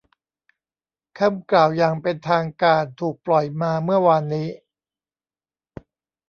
คำกล่าวอย่างเป็นทางการถูกปล่อยมาเมื่อวานนี้